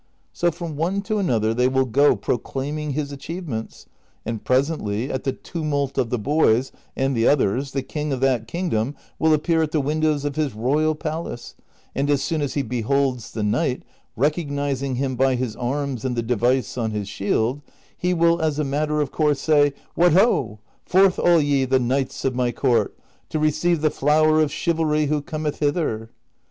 ^ So from one to another they will go proclaiming his achievements ; and presently at the tumult of the boys and the others the king of that kingdom will appear at the windows of his royal palace, and as soon as he beholds the knight, recognizing him by his arms and the device on his shield, he will as a matter of course say, * What ho ! Forth all ye, the knights of my court, to receive the flower of chivalry who cometh hither!